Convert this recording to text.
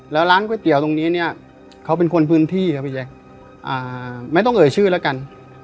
แล้วร้านก๋วยเตี๋ยวตรงนี้เนี่ยเขาเป็นคนพื้นที่ครับพี่แจ๊คไม่ต้องเอ่ยชื่อแล้วกัน